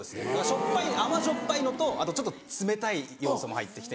しょっぱい甘じょっぱいのとあと冷たい要素も入ってきて。